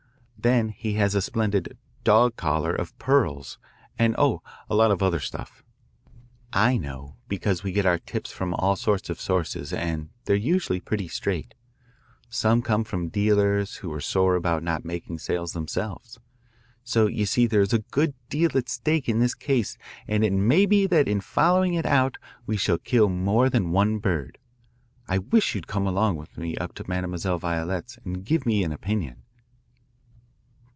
Then he has a splendid 'dog collar' of pearls, and, oh, a lot of other stuff. I know because we get our tips from all sorts of sources and they are usually pretty straight. Some come from dealers who are sore about not making sales themselves. So you see there is a good deal at stake in this case and it may be that in following it out we shall kill more than one bird. I wish you'd come along with me up to Mademoiselle Violette's and give me an opinion."